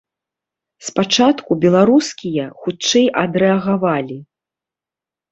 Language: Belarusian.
Спачатку беларускія хутчэй адрэагавалі.